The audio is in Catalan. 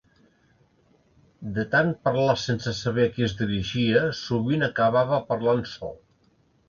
De tant parlar sense saber a qui es dirigia sovint acabava parlant sol.